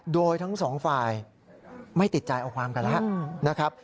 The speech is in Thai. โดยทั้งสองฝ่ายไม่ติดใจเอาความกันแล้วนะครับ